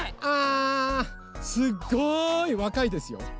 あすごいわかいですよ。